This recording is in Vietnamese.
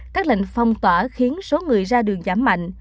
các lệnh phong tỏa khiến số người ra đường giảm mạnh